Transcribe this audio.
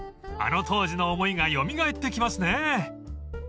［あの当時の思いが蘇ってきますね］